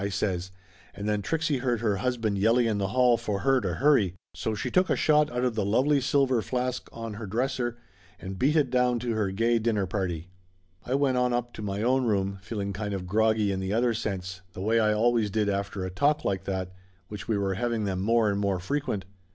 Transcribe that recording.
I says, and then Trixie heard her husband yelling in the hall for her to hurry. So she took a shot out of the lovely silver flask on 154 Laughter Limited her dresser, and beat it down to her gay dinner party. I went on up to my own room, feeling kind of groggy in the other sense, the way I always did after a talk like that, which we were having them more and more frequent.